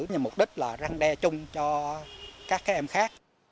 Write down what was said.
nhưng mục đích là răng đe chung cho các em khác